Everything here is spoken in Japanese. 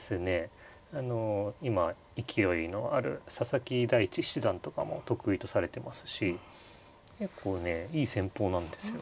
あの今勢いのある佐々木大地七段とかも得意とされてますし結構ねいい戦法なんですよね。